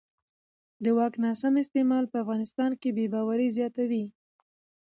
د واک ناسم استعمال په افغانستان کې بې باورۍ زیاتوي